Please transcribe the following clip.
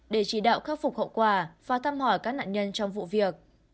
để chỉ đạo khắc phục hậu quả và thăm hỏi các nạn nhân trong vụ việc